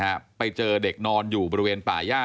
ตกลงไปจากรถไฟได้ยังไงสอบถามแล้วแต่ลูกชายก็ยังไง